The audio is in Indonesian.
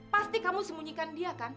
pasti kamu sembunyikan dia kan